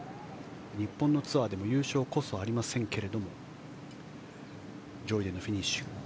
日本のツアーでも優勝こそありませんけれども上位でのフィニッシュ。